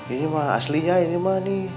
ini mah aslinya ini mah nih